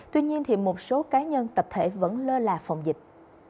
tuy nhiên một số cá nhân tập thể vẫn lơ là phòng dịch